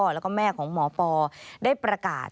แล้วก็แม่ของหมอปอได้ประกาศ